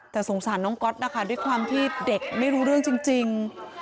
แต่สงสารน้องก๊อตนะคะด้วยความที่เด็กไม่รู้เรื่องจริง